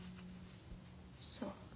そう。